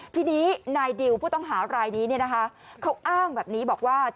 ทีนี้นายดิวผู้ต้องหารายนี้เขาอ้างแบบนี้บอกว่า